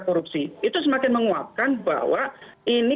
korupsi itu semakin menguapkan bahwa ini